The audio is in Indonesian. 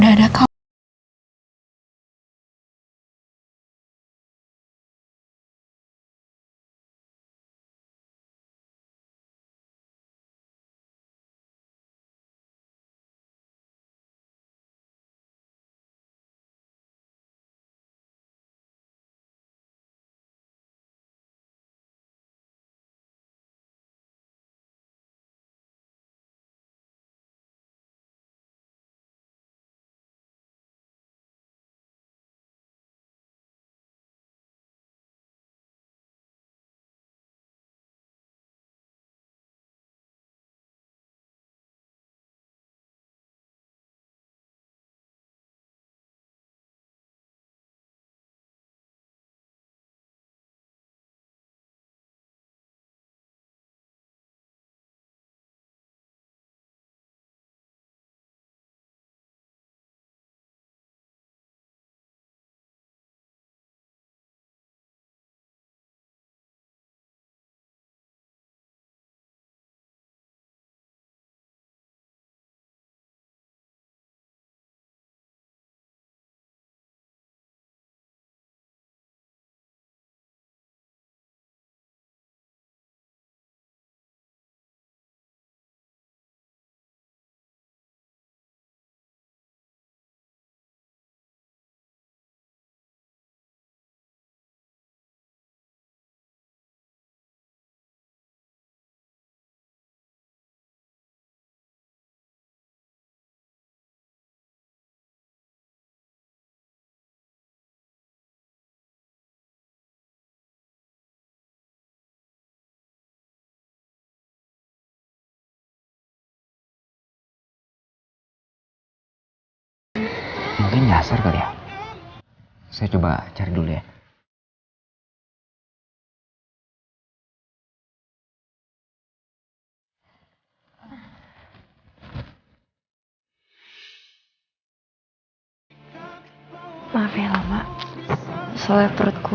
aku merinding tiap kali aku inget kejadian itu